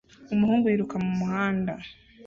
umuhungu yiruka mu muhanda